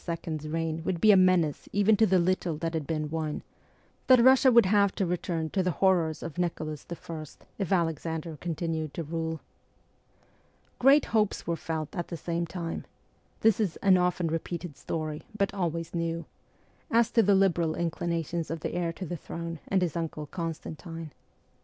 's reign would be a menace even to the little that had been won ; that Russia would have to return to the horrors of Nicholas I. if Alexander continued to rule. Great hopes were felt at the same time this is ' an often repeated story, but always new ' as to the liberal inclinations of the heir to the throne and his uncle Constantine.